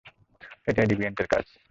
এটা ডিভিয়েন্টের কাজ।